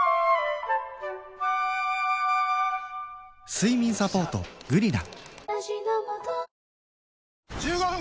睡眠サポート「グリナ」